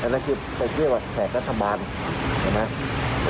อนาคิปเขาเรียกว่าแขกรัฐบาลใช่ไหม